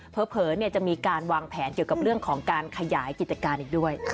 เผลอจะมีการวางแผนเกี่ยวกับเรื่องของการขยายกิจการอีกด้วย